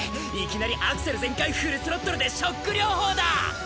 いきなりアクセル全開フルスロットルでショック療法だ！！